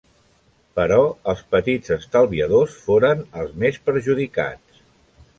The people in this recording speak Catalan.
Però els petits estalviadors foren els més perjudicats.